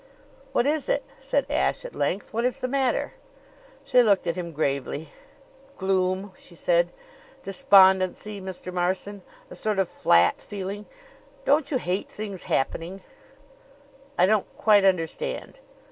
"What is it?" said Ashe at length. "What is the matter?" She looked at him gravely. "Gloom," she said. "Despondency, Mr. Marson A sort of flat feeling. Don't you hate things happening?" "I don't quite understand."